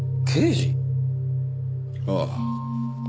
ああ。